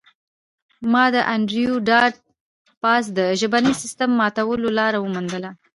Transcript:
ما د انډریو ډاټ باس د ژبني سیستم ماتولو لار وموندله